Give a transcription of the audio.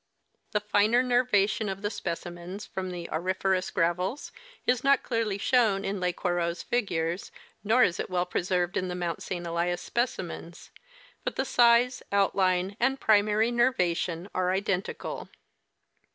* The finer nervation of the specimens from the auriferous gravels is not clearly shown in Lesquereux's figures, nor is it well preserved in the Mount St. Elias specimens ; but the size, outline, and primary nervation are identical.